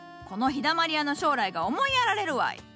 この「陽だまり屋」の将来が思いやられるわい！